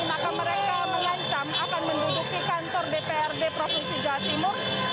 maka mereka mengancam akan menduduki kantor dprd provinsi jawa timur